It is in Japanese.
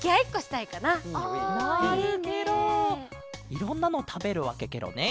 いろんなのたべるわけケロね。